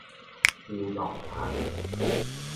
流浪漢